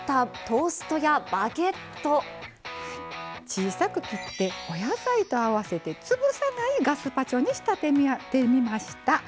小さく切ってお野菜と合わせて潰さないガスパチョに仕立ててみました。